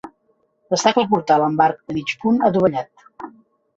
Destaca el portal amb arc de mig punt adovellat.